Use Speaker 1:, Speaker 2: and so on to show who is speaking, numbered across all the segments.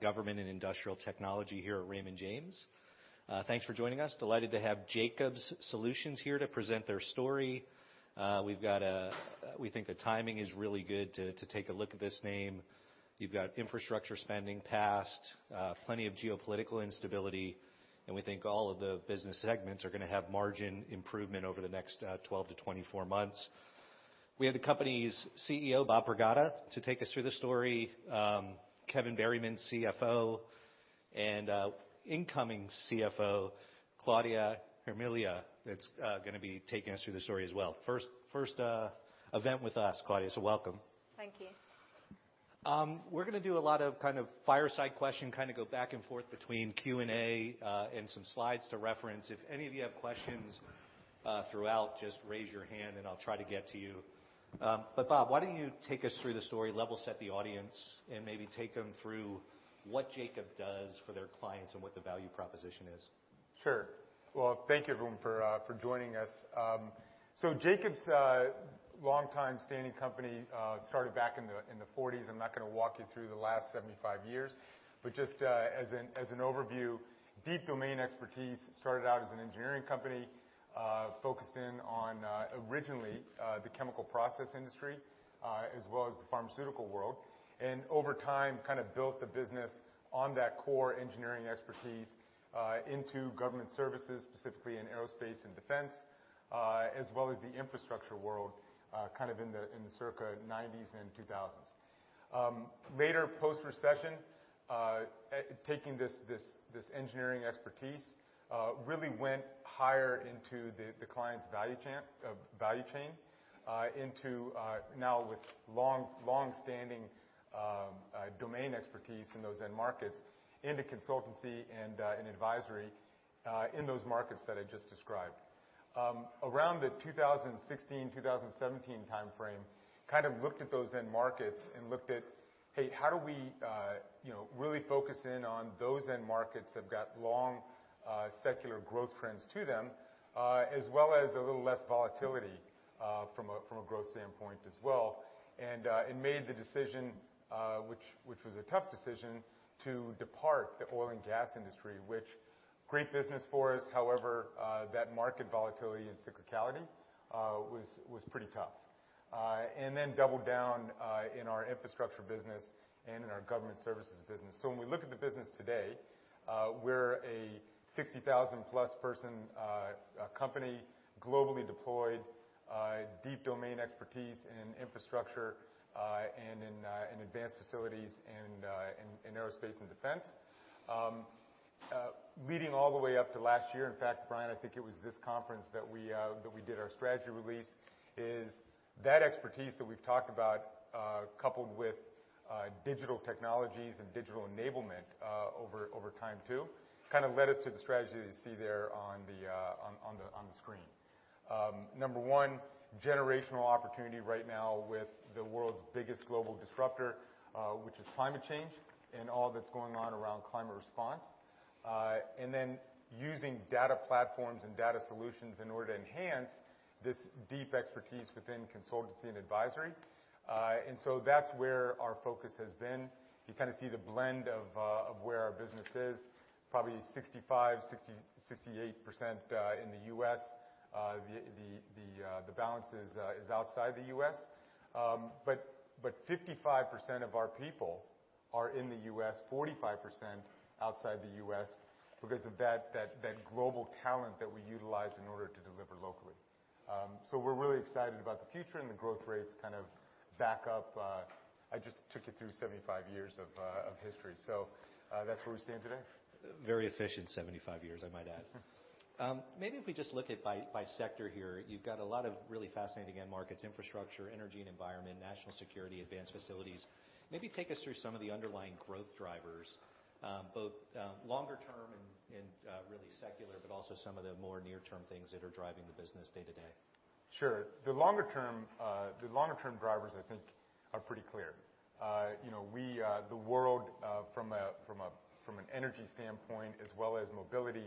Speaker 1: Government and industrial technology here at Raymond James. Thanks for joining us. Delighted to have Jacobs Solutions here to present their story. We think the timing is really good to take a look at this name. You've got infrastructure spending past, plenty of geopolitical instability, we think all of the business segments are gonna have margin improvement over the next 12-24 months. We have the company's CEO, Bob Pragada, to take us through the story, Kevin Berryman, CFO, and incoming CFO, Claudia Jaramillo, that's gonna be taking us through the story as well. First event with us, Claudia, welcome.
Speaker 2: Thank you.
Speaker 1: We're gonna do a lot of kind of fireside question, kinda go back and forth between Q&A and some slides to reference. If any of you have questions throughout, just raise your hand, and I'll try to get to you. Bob, why don't you take us through the story, level set the audience, and maybe take them through what Jacobs does for their clients and what the value proposition is?
Speaker 3: Sure. Well, thank you, everyone, for joining us. Jacobs, longtime standing company, started back in the 1940s. I'm not gonna walk you through the last 75 years, but just as an overview, deep domain expertise. Started out as an engineering company, focused in on originally the chemical process industry, as well as the pharmaceutical world. Over time, kind of built the business on that core engineering expertise, into government services, specifically in aerospace and defense, as well as the infrastructure world, kind of in the circa 1990s and 2000s. Later post-recession, taking this engineering expertise, really went higher into the client's value chain, into now with long-standing domain expertise in those end markets into consultancy and advisory in those markets that I just described. Around the 2016, 2017 timeframe, kind of looked at those end markets and looked at, "Hey, how do we, you know, really focus in on those end markets that have got long, secular growth trends to them, as well as a little less volatility, from a growth standpoint as well?" Made the decision, which was a tough decision, to depart the oil and gas industry, which great business for us, however, that market volatility and cyclicality was pretty tough. Doubled down in our infrastructure business and in our government services business. When we look at the business today, we're a 60,000+ person company, globally deployed, deep domain expertise in infrastructure, and in advanced facilities and in aerospace and defense. Leading all the way up to last year, in fact, Brian, I think it was this conference that we did our strategy release, is that expertise that we've talked about, coupled with digital technologies and digital enablement, over time too, kind of led us to the strategy that you see there on the screen. Number one, generational opportunity right now with the world's biggest global disruptor, which is climate change and all that's going on around climate response. Using data platforms and data solutions in order to enhance this deep expertise within consultancy and advisory. That's where our focus has been. You kinda see the blend of where our business is, probably 65%, 68% in the U.S. The balance is outside the U.S. But 55% of our people are in the U.S., 45% outside the U.S. because of that global talent that we utilize in order to deliver locally. We're really excited about the future and the growth rates kind of back up, I just took you through 75 years of history. That's where we stand today.
Speaker 1: Very efficient 75 years, I might add. Maybe if we just look at by sector here, you've got a lot of really fascinating end markets, infrastructure, energy and environment, national security, advanced facilities. Maybe take us through some of the underlying growth drivers, both longer term and really secular, but also some of the more near-term things that are driving the business day to day.
Speaker 3: Sure. The longer term drivers I think are pretty clear. You know, we, the world, from an energy standpoint, as well as mobility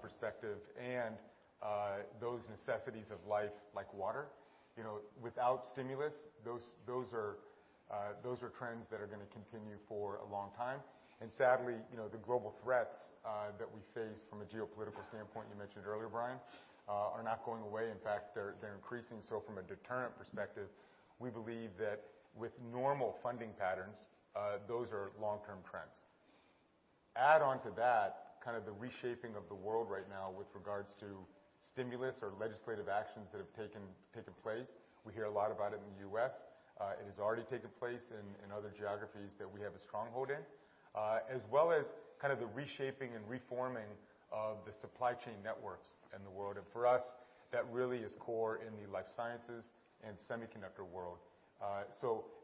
Speaker 3: perspective and those necessities of life like water, you know, without stimulus, those are trends that are gonna continue for a long time. Sadly, you know, the global threats that we face from a geopolitical standpoint, you mentioned earlier, Brian, are not going away. In fact, they're increasing. From a deterrent perspective, we believe that with normal funding patterns, those are long-term trends. Add onto that kind of the reshaping of the world right now with regards to stimulus or legislative actions that have taken place. We hear a lot about it in the U.S. It has already taken place in other geographies that we have a stronghold in. As well as kind of the reshaping and reforming of the supply chain networks in the world. For us, that really is core in the Life Sciences and Semiconductors world.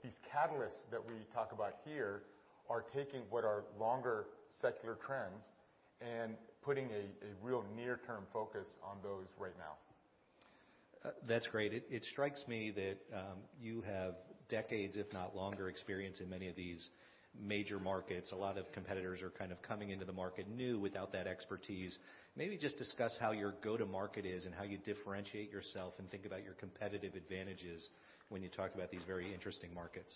Speaker 3: These catalysts that we talk about here are taking what are longer secular trends and putting a real near-term focus on those right now.
Speaker 1: That's great. It strikes me that you have decades, if not longer, experience in many of these major markets. A lot of competitors are kind of coming into the market new without that expertise. Maybe just discuss how your go-to-market is and how you differentiate yourself and think about your competitive advantages when you talk about these very interesting markets.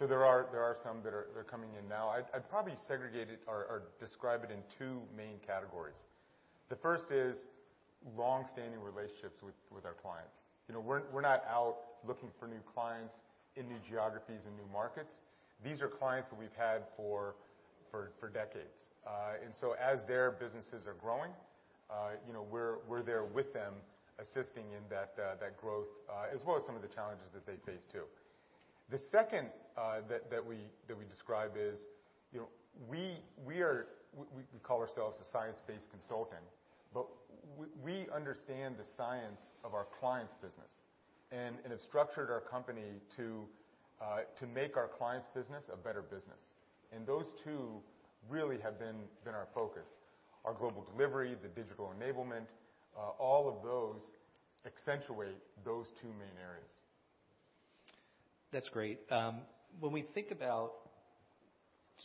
Speaker 3: Yeah. There are some that are coming in now. I'd probably segregate it or describe it in two main categories. The first is long-standing relationships with our clients. You know, we're not out looking for new clients in new geographies and new markets. These are clients that we've had for decades. As their businesses are growing, you know, we're there with them assisting in that growth, as well as some of the challenges that they face too. The second that we describe is, you know, we call ourselves a science-based consultant, but we understand the science of our clients' business and have structured our company to make our clients' business a better business. Those two really have been our focus. Our global delivery, the digital enablement, all of those accentuate those two main areas.
Speaker 1: That's great. When we think about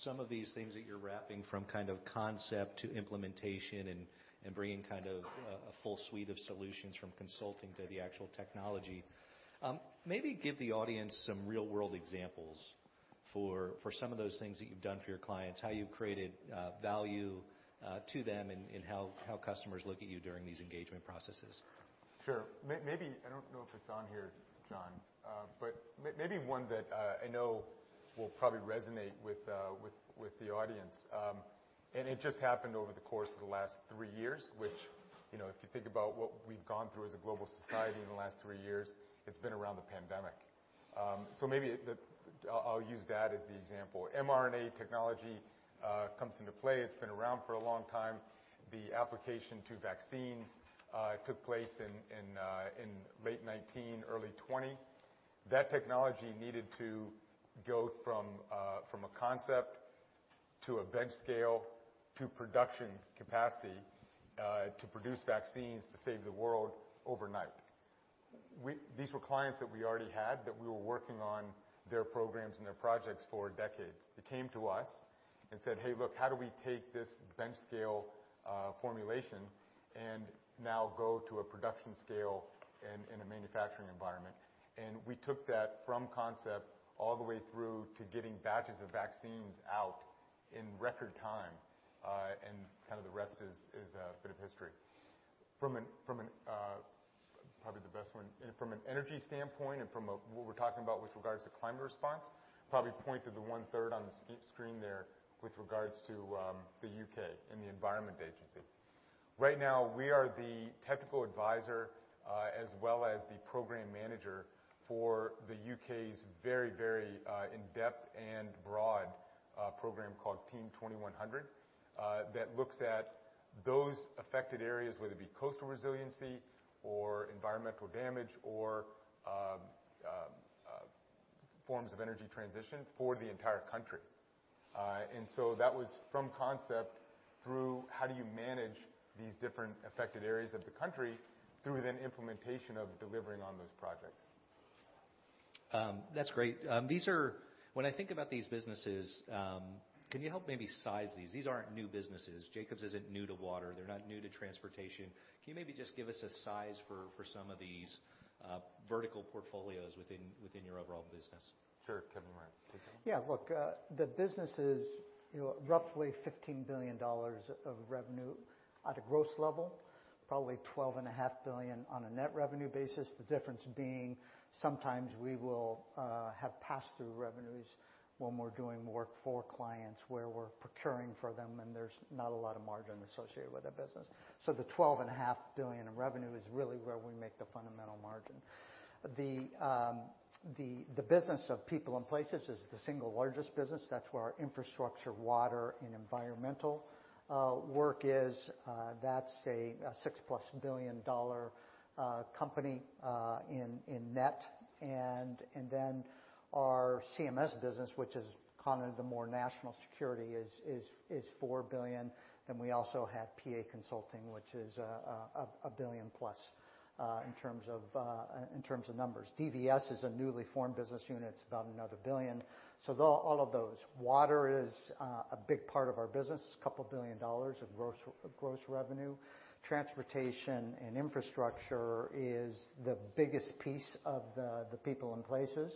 Speaker 1: some of these things that you're wrapping from kind of concept to implementation and bringing kind of a full suite of solutions from consulting to the actual technology, maybe give the audience some real-world examples for some of those things that you've done for your clients, how you've created value to them, and how customers look at you during these engagement processes.
Speaker 3: Sure. Maybe, I don't know if it's on here, Brian, but maybe one that I know will probably resonate with the audience. It just happened over the course of the last three years, which, you know, if you think about what we've gone through as a global society in the last three years, it's been around the pandemic. Maybe I'll use that as the example. mRNA technology comes into play. It's been around for a long time. The application to vaccines took place in late 2019, early 2020. That technology needed to go from a concept to a bench scale to production capacity to produce vaccines to save the world overnight. These were clients that we already had, that we were working on their programs and their projects for decades. They came to us and said, "Hey, look, how do we take this bench scale formulation and now go to a production scale in a manufacturing environment?" We took that from concept all the way through to getting batches of vaccines out in record time. Kind of the rest is a bit of history. Probably the best one from an energy standpoint and from a, what we're talking about with regards to climate response, probably point to the one-third on the screen there with regards to the U.K. and the Environment Agency. Right now, we are the technical advisor, as well as the program manager for the U.K.'s very, very in-depth and broad program called TEAM2100 that looks at those affected areas, whether it be coastal resiliency or environmental damage or forms of energy transition for the entire country. That was from concept through how do you manage these different affected areas of the country through then implementation of delivering on those projects.
Speaker 1: That's great. When I think about these businesses, can you help maybe size these? These aren't new businesses. Jacobs isn't new to water. They're not new to transportation. Can you maybe just give us a size for some of these vertical portfolios within your overall business?
Speaker 3: Sure. Kevin, do you wanna take that one?
Speaker 4: Look, the business is, you know, roughly $15 billion of revenue at a gross level, probably $12.5 billion on a net revenue basis. The difference being sometimes we will have pass-through revenues when we're doing work for clients where we're procuring for them, and there's not a lot of margin associated with that business. The $12.5 billion in revenue is really where we make the fundamental margin. The business of People & Places is the single largest business. That's where our infrastructure, water, and environmental work is. That's a $6+ billion company in net. Then our CMS business, which is kind of the more national security, is $4 billion. We also have PA Consulting, which is a $1 billion+ in terms of numbers. DVS is a newly formed business unit. It's about another $1 billion. They're all of those. Water is a big part of our business. It's a $2 billion of gross revenue. Transportation and infrastructure is the biggest piece of the People & Places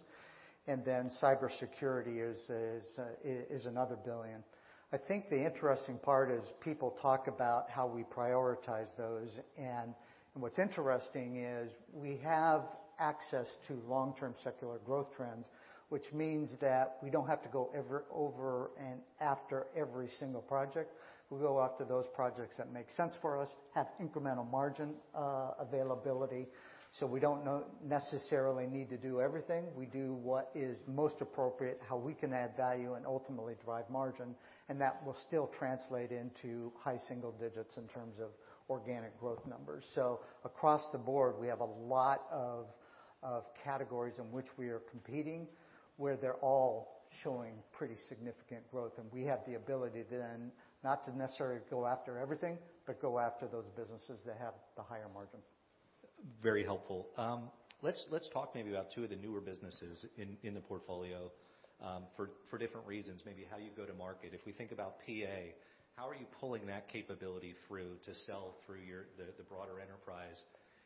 Speaker 4: Solutions. Cybersecurity is another $1 billion. I think the interesting part is people talk about how we prioritize those. What's interesting is we have access to long-term secular growth trends, which means that we don't have to go over and after every single project. We go after those projects that make sense for us, have incremental margin availability, so we don't necessarily need to do everything. We do what is most appropriate, how we can add value, and ultimately drive margin, and that will still translate into high single digits in terms of organic growth numbers. So across the board, we have a lot of categories in which we are competing, where they're all showing pretty significant growth, and we have the ability then not to necessarily go after everything, but go after those businesses that have the higher margin.
Speaker 1: Very helpful. Let's talk maybe about two of the newer businesses in the portfolio, for different reasons, maybe how you go to market. If we think about PA, how are you pulling that capability through to sell through the broader enterprise?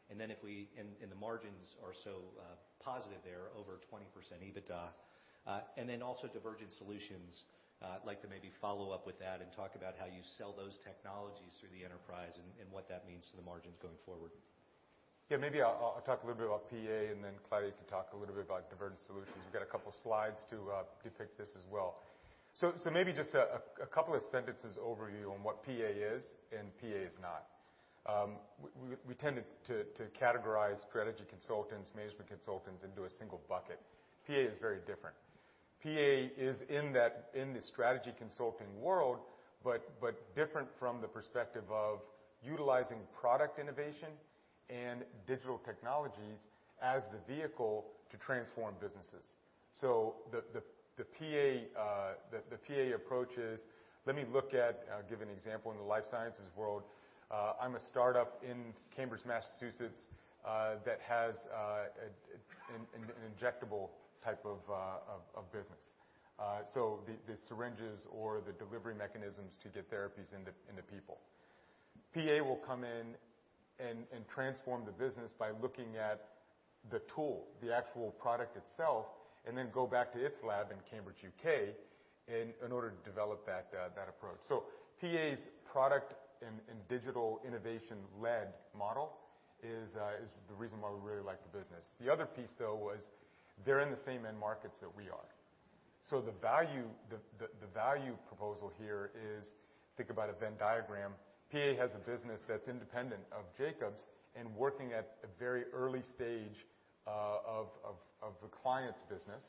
Speaker 1: The margins are so positive there, over 20% EBITDA. Also Divergent Solutions, like to maybe follow up with that and talk about how you sell those technologies through the enterprise and what that means to the margins going forward?
Speaker 3: Yeah, maybe I'll talk a little bit about PA and then Claudia can talk a little bit about Divergent Solutions. We've got a couple slides to depict this as well. Maybe just a couple of sentences overview on what PA is and PA is not. We tend to categorize strategy consultants, management consultants into a single bucket. PA is very different. PA is in the strategy consulting world, but different from the perspective of utilizing product innovation and digital technologies as the vehicle to transform businesses. The PA approach is, let me look at, I'll give an example in the life sciences world. I'm a startup in Cambridge, Massachusetts that has an injectable type of business. The syringes or the delivery mechanisms to get therapies into people. PA will come in and transform the business by looking at the tool, the actual product itself, and then go back to its lab in Cambridge, U.K., in order to develop that approach. PA's product and digital innovation-led model is the reason why we really like the business. The other piece, though, was they're in the same end markets that we are. The value proposal here is, think about a Venn diagram. PA has a business that's independent of Jacobs and working at a very early stage of the client's business.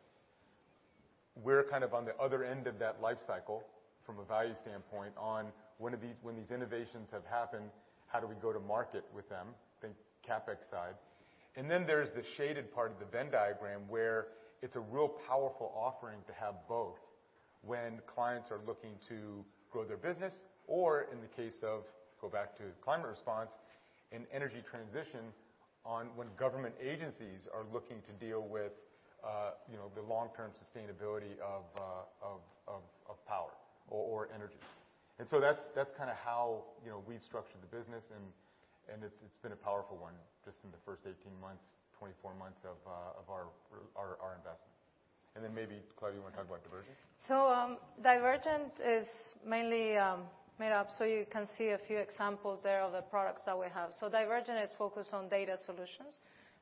Speaker 3: We're kind of on the other end of that life cycle from a value standpoint on when these, when these innovations have happened, how do we go to market with them, the CapEx side. Then there's the shaded part of the Venn diagram, where it's a real powerful offering to have both when clients are looking to grow their business or in the case of, go back to climate response and energy transition on when government agencies are looking to deal with, you know, the long-term sustainability of power or energy. So that's kind of how, you know, we've structured the business and it's been a powerful one just in the first 18 months, 24 months of our investment. Then maybe, Claudia, you wanna talk about Divergent?
Speaker 2: Divergent is mainly made up. You can see a few examples there of the products that we have. Divergent is focused on data solutions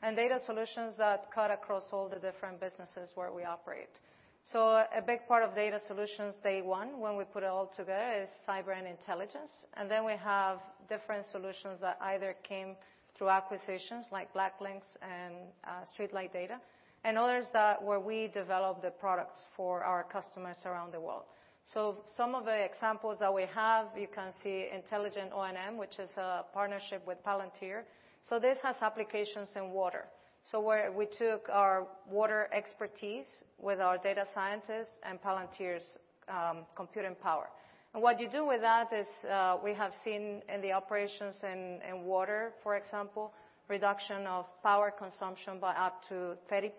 Speaker 2: and data solutions that cut across all the different businesses where we operate. A big part of data solutions, day one, when we put it all together, is cyber and intelligence. Then we have different solutions that either came through acquisitions like BlackLynx and StreetLight Data, and others that where we develop the products for our customers around the world. Some of the examples that we have, you can see Intelligent O&M, which is a partnership with Palantir. This has applications in water. Where we took our water expertise with our data scientists and Palantir's computing power. What you do with that is, we have seen in the operations in water, for example, reduction of power consumption by up to 30%.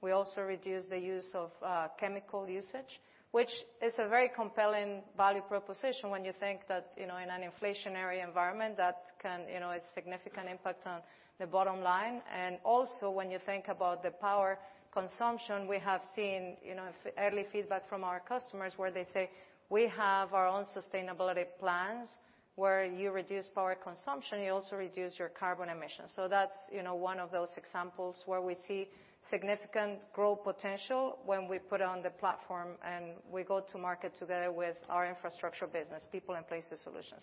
Speaker 2: We also reduce the use of chemical usage, which is a very compelling value proposition when you think that, you know, in an inflationary environment that can, you know, have significant impact on the bottom line. Also when you think about the power consumption, we have seen, you know, early feedback from our customers where they say, "We have our own sustainability plans. Where you reduce power consumption, you also reduce your carbon emissions." That's, you know, one of those examples where we see significant growth potential when we put it on the platform and we go to market together with our infrastructure business, People & Places Solutions.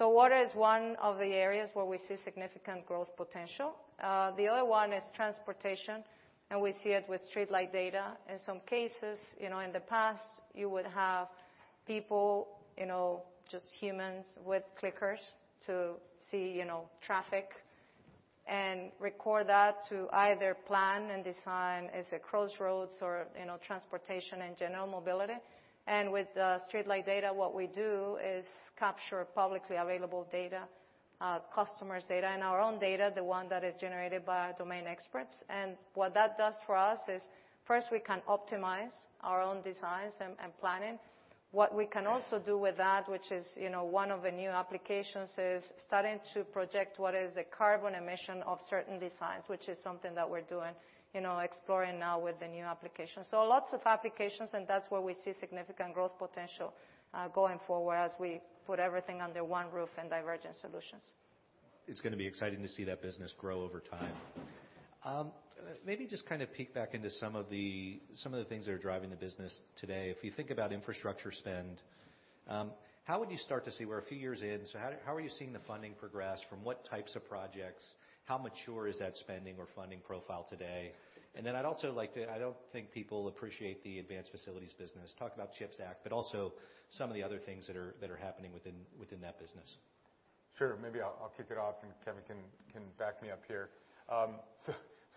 Speaker 2: Water is one of the areas where we see significant growth potential. The other one is transportation, and we see it with StreetLight Data. In some cases, you know, in the past you would have people, you know, just humans with clickers to see, you know, traffic and record that to either plan and design as a crossroads or, you know, transportation in general, mobility. With StreetLight Data, what we do is capture publicly available data, customers' data and our own data, the one that is generated by domain experts. What that does for us is, first, we can optimize our own designs and planning. What we can also do with that, which is, you know, one of the new applications, is starting to project what is the carbon emission of certain designs, which is something that we're doing, you know, exploring now with the new applications. Lots of applications, and that's where we see significant growth potential, going forward as we put everything under one roof in Divergent Solutions.
Speaker 1: It's gonna be exciting to see that business grow over time. Maybe just kind of peek back into some of the things that are driving the business today. If you think about infrastructure spend, how are you seeing the funding progress? From what types of projects? How mature is that spending or funding profile today? I'd also like to. I don't think people appreciate the advanced facilities business. Talk about CHIPS Act, but also some of the other things that are happening within that business.
Speaker 3: Sure. Maybe I'll kick it off, and Kevin can back me up here.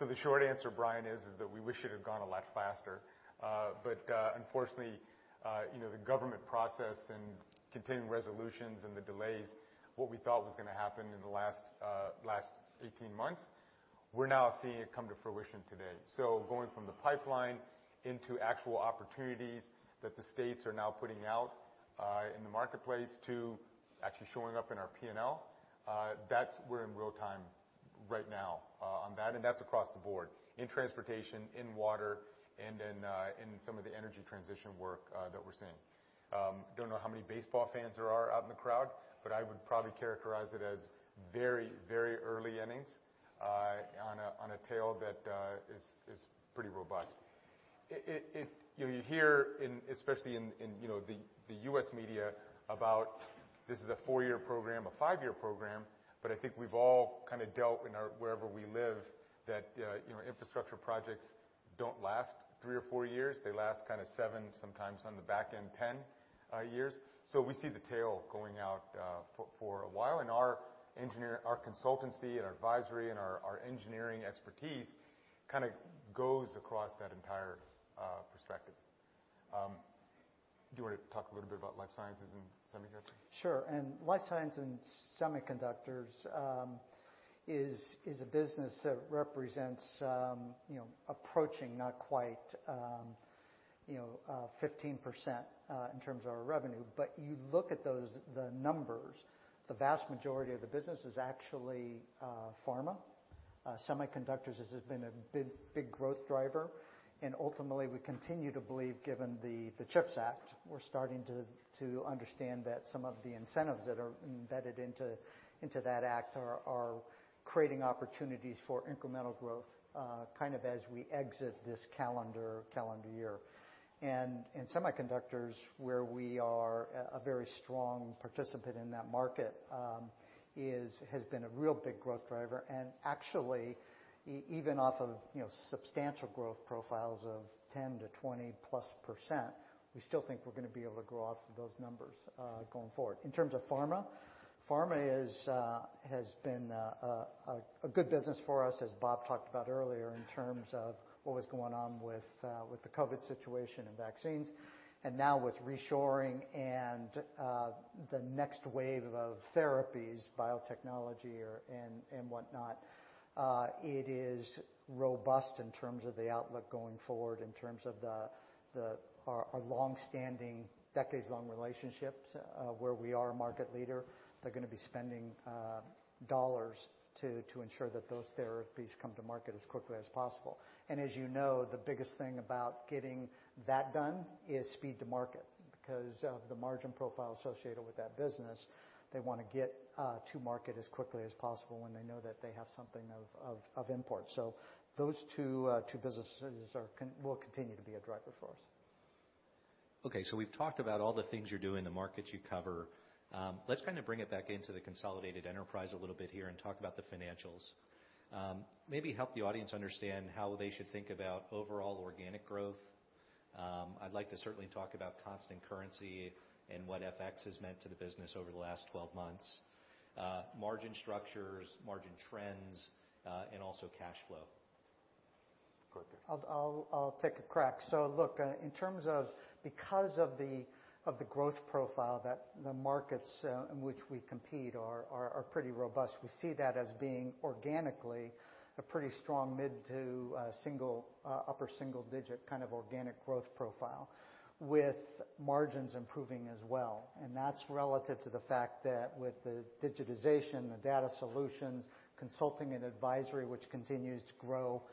Speaker 3: The short answer, Brian, is that we wish it had gone a lot faster. Unfortunately, you know, the government process and continuing resolutions and the delays, what we thought was gonna happen in the last 18 months. We're now seeing it come to fruition today. Going from the pipeline into actual opportunities that the states are now putting out in the marketplace to actually showing up in our P&L, that's we're in real time right now on that, and that's across the board in transportation, in water, and in some of the energy transition work that we're seeing. Don't know how many baseball fans there are out in the crowd, but I would probably characterize it as very, very early innings on a tail that is pretty robust. You know, you hear especially in the U.S. media about this is a four-year program, a five-year program. I think we've all kind of dealt in wherever we live that, you know, infrastructure projects don't last three or four years. They last kinda seven, sometimes on the back end, 10 years. We see the tail going out for a while. Our consultancy and our advisory and our engineering expertise kinda goes across that entire perspective. Do you wanna talk a little bit about Life Sciences and Semiconductors?
Speaker 4: Sure. Life Science and Semiconductors is a business that represents, you know, approaching, not quite, you know, 15% in terms of our revenue. You look at those, the numbers, the vast majority of the business is actually pharma. Semiconductors has just been a big growth driver. Ultimately, we continue to believe, given the CHIPS Act, we're starting to understand that some of the incentives that are embedded into that act are creating opportunities for incremental growth, kind of as we exit this calendar year. In semiconductors, where we are a very strong participant in that market, has been a real big growth driver. Actually even off of, you know, substantial growth profiles of 10-20+%, we still think we're gonna be able to grow off of those numbers, going forward. In terms of pharma is has been a good business for us, as Bob talked about earlier, in terms of what was going on with the COVID situation and vaccines, and now with reshoring and the next wave of therapies, biotechnology and whatnot. It is robust in terms of the outlook going forward in terms of our long-standing, decades-long relationships, where we are a market leader. They're gonna be spending dollars to ensure that those therapies come to market as quickly as possible. As you know, the biggest thing about getting that done is speed to market. Because of the margin profile associated with that business, they wanna get to market as quickly as possible when they know that they have something of import. Those two businesses will continue to be a driver for us.
Speaker 3: Okay, we've talked about all the things you're doing, the markets you cover. Let's kinda bring it back into the consolidated enterprise a little bit here and talk about the financials. Maybe help the audience understand how they should think about overall organic growth. I'd like to certainly talk about constant currency and what FX has meant to the business over the last 12 months. Margin structures, margin trends, and also cash flow. Go ahead.
Speaker 4: I'll take a crack. Look, in terms of because of the growth profile that the markets in which we compete are pretty robust, we see that as being organically a pretty strong mid to upper single digit kind of organic growth profile, with margins improving as well. That's relative to the fact that with the digitization, the data solutions, consulting and advisory, which continues to grow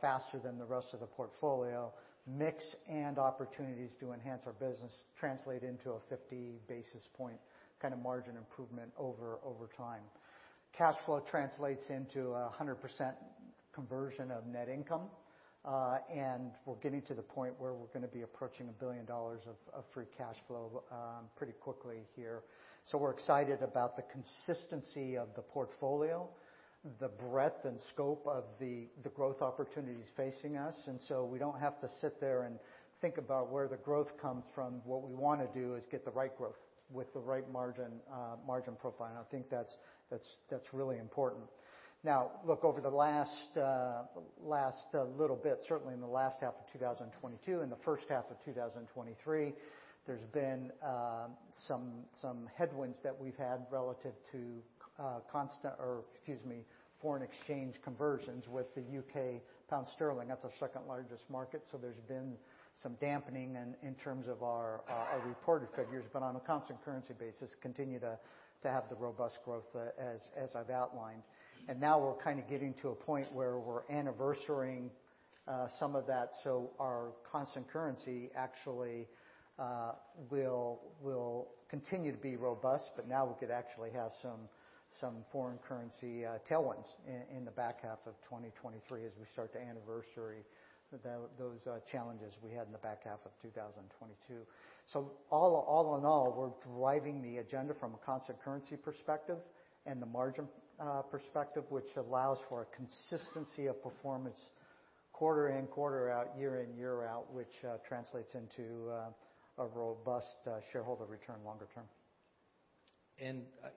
Speaker 4: faster than the rest of the portfolio, mix and opportunities to enhance our business translate into a 50 basis point kinda margin improvement over time. Cash flow translates into 100% conversion of net income. We're getting to the point where we're gonna be approaching $1 billion of free cash flow pretty quickly here. We're excited about the consistency of the portfolio, the breadth and scope of the growth opportunities facing us, we don't have to sit there and think about where the growth comes from. What we want to do is get the right growth with the right margin profile, and I think that's really important. Now, look, over the last little bit, certainly in the last half of 2022 and the first half of 2023, there's been some headwinds that we've had relative to foreign exchange conversions with the U.K. pound sterling. That's our second-largest market, there's been some dampening in terms of our reported figures. On a constant currency basis, continue to have the robust growth as I've outlined. Now we're kinda getting to a point where we're anniversarying some of that, so our constant currency actually will continue to be robust. Now we could actually have some foreign currency tailwinds in the back half of 2023 as we start to anniversary those challenges we had in the back half of 2022. All in all, we're driving the agenda from a constant currency perspective and the margin perspective, which allows for a consistency of performance quarter in, quarter out, year in, year out, which translates into a robust shareholder return longer term.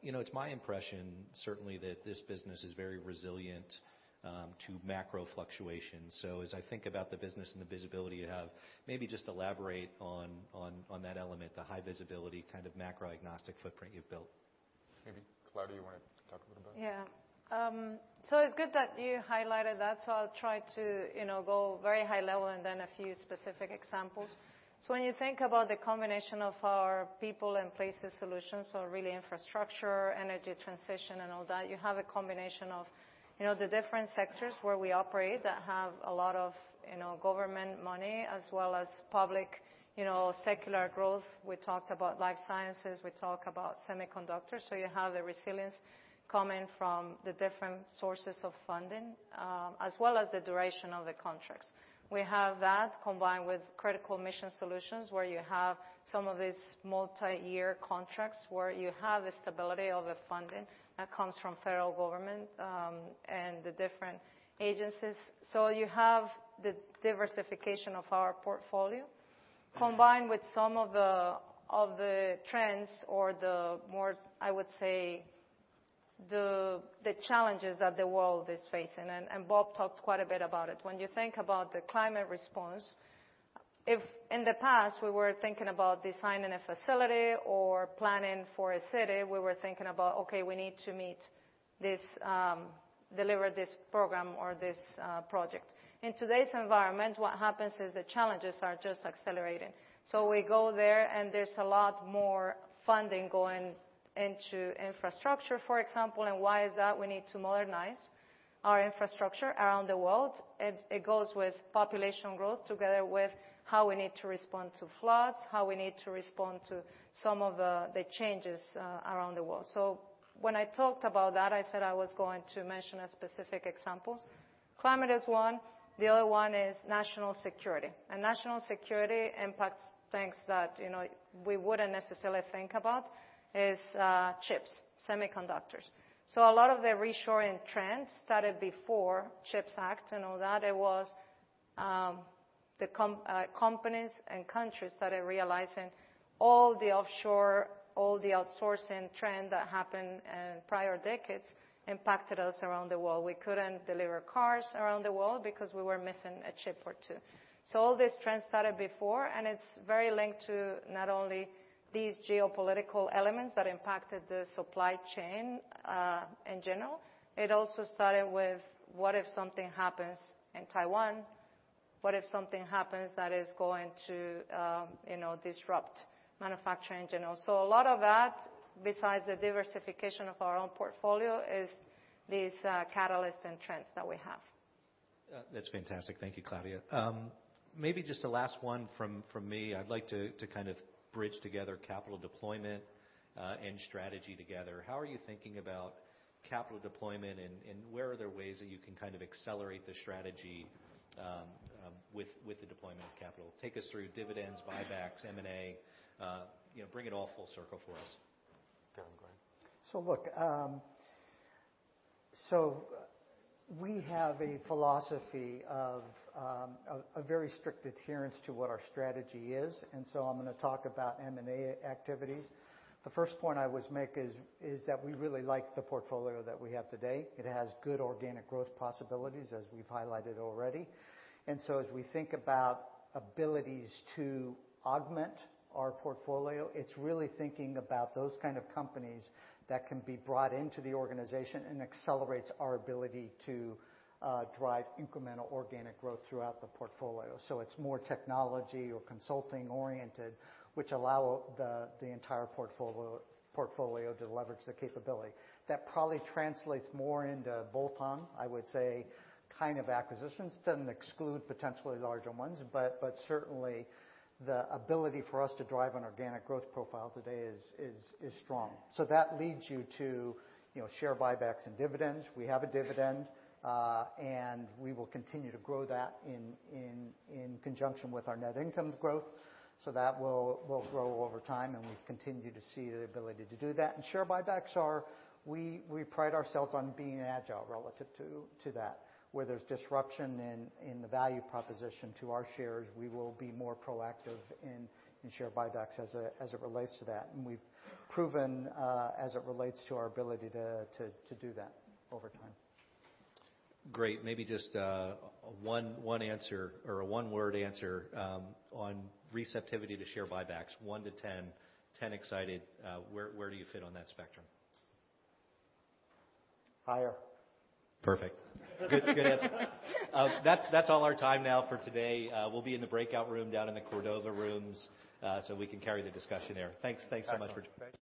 Speaker 1: You know, it's my impression certainly that this business is very resilient. To macro fluctuations. As I think about the business and the visibility you have, maybe just elaborate on that element, the high visibility kind of macro agnostic footprint you've built.
Speaker 3: Maybe Claudia, you wanna talk a little about it?
Speaker 2: Yeah. It's good that you highlighted that. I'll try to, you know, go very high level and then a few specific examples. When you think about the combination of our People & Places Solutions, so really infrastructure, energy transition and all that, you have a combination of the different sectors where we operate that have a lot of government money as well as public, secular growth. We talked about life sciences, we talk about semiconductors. You have the resilience coming from the different sources of funding, as well as the duration of the contracts. We have that combined with Critical Mission Solutions, where you have some of these multiyear contracts, where you have the stability of a funding that comes from federal government and the different agencies. You have the diversification of our portfolio combined with some of the trends or the more, I would say, the challenges that the world is facing, and Bob talked quite a bit about it. When you think about the climate response, if in the past we were thinking about designing a facility or planning for a city, we were thinking about, okay, we need to meet this, deliver this program or this project. In today's environment, what happens is the challenges are just accelerating. We go there, and there's a lot more funding going into infrastructure, for example. Why is that? We need to modernize our infrastructure around the world. It goes with population growth together with how we need to respond to floods, how we need to respond to some of the changes around the world. When I talked about that, I said I was going to mention a specific example. Climate is one. The other one is national security. National security impacts things that, you know, we wouldn't necessarily think about, is, chips, semiconductors. A lot of the reshoring trends started before CHIPS Act and all that. It was, companies and countries started realizing all the offshore, all the outsourcing trend that happened in prior decades impacted us around the world. We couldn't deliver cars around the world because we were missing a chip or two. All these trends started before, and it's very linked to not only these geopolitical elements that impacted the supply chain in general. It also started with, what if something happens in Taiwan? What if something happens that is going to, you know, disrupt manufacturing in general? A lot of that, besides the diversification of our own portfolio, is these catalyst and trends that we have.
Speaker 1: That's fantastic. Thank you, Claudia. Maybe just a last one from me. I'd like to kind of bridge together capital deployment and strategy together. How are you thinking about capital deployment, and where are there ways that you can kind of accelerate the strategy with the deployment of capital? Take us through dividends, buybacks, M&A. You know, bring it all full circle for us.
Speaker 3: Kevin, go ahead.
Speaker 4: Look, we have a philosophy of a very strict adherence to what our strategy is, I'm gonna talk about M&A activities. The first point I would make is that we really like the portfolio that we have today. It has good organic growth possibilities, as we've highlighted already. As we think about abilities to augment our portfolio, it's really thinking about those kind of companies that can be brought into the organization and accelerates our ability to drive incremental organic growth throughout the portfolio. It's more technology or consulting oriented, which allow the entire portfolio to leverage the capability. That probably translates more into bolt-on, I would say, kind of acquisitions. Doesn't exclude potentially larger ones, but certainly the ability for us to drive an organic growth profile today is strong. That leads you to, you know, share buybacks and dividends. We have a dividend, and we will continue to grow that in conjunction with our net income growth, so that will grow over time, and we continue to see the ability to do that. Share buybacks are, we pride ourselves on being agile relative to that. Where there's disruption in the value proposition to our shares, we will be more proactive in share buybacks as it relates to that. We've proven, as it relates to our ability to do that over time.
Speaker 1: Great. Maybe just, one answer or a one-word answer, on receptivity to share buybacks. One to 10. 10, excited. Where do you fit on that spectrum?
Speaker 4: Higher.
Speaker 1: Perfect. Good, good answer. That's all our time now for today. We'll be in the breakout room down in the Cordova Rooms, so we can carry the discussion there. Thanks.
Speaker 4: Excellent. Great.